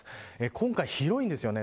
今回、広いんですよね。